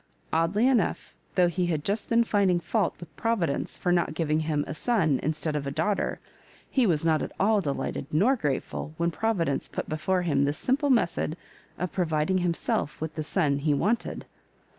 Oddly enough, though he had just been finding fault with Providence for not giving liira a son instead of a daughter, he was not at all delighted nor grateful when Providence put be fore him this simple method of providing him self with the son he wanted.